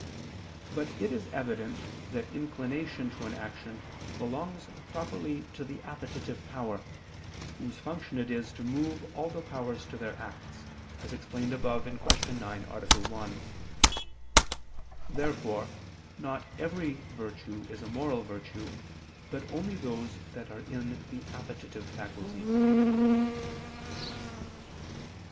But it is evident that inclination to an action belongs properly to the appetitive power, whose function it is to move all the powers to their acts, as explained above (Q. 9, A. 1). Therefore not every virtue is a moral virtue, but only those that are in the appetitive faculty.